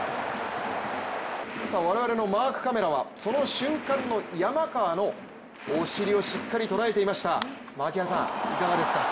我々のマークカメラはその瞬間の山川のお尻をしっかりとらえていました、いかがですか。